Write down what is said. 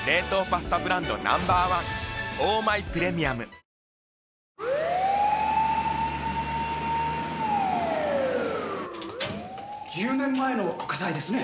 大空あおげ１０年前の火災ですね。